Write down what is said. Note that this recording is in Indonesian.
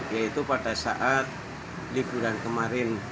yaitu pada saat liburan kemarin